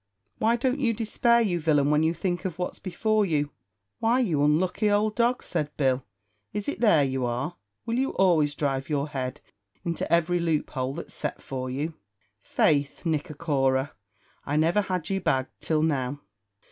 Why don't you despair, you villain, when you think of what's before you?" "Why, you unlucky ould dog," said Bill, "is it there you are? Will you always drive your head into every loop hole that's set for you? Faith, Nick achora, I never had you bagged till now."